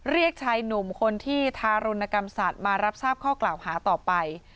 เรียกชายหนุ่มคนที่ทารุณกรรมสัตว์มารับทราบข้อกล่าวหาต่อไป